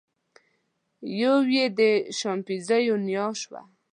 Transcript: یوه یې د شامپانزیانو نیا شوه.